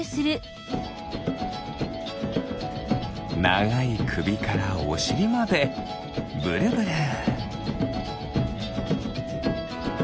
ながいくびからおしりまでブルブル。